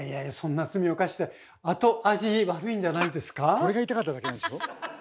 これが言いたかっただけなんでしょ。